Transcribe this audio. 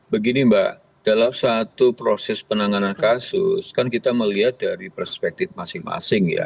begini mbak dalam satu proses penanganan kasus kan kita melihat dari perspektif masing masing ya